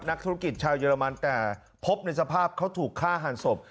นักธุรกิจชาวเยอรมันแต่พบในสภาพเขาถูกฆ่าหันศพ